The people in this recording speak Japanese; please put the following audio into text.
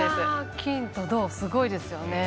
金と銅すごいですよね。